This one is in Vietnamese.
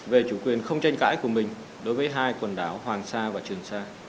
về chủ quyền không tranh cãi của mình đối với hai quần đảo hoàng sa và trường sa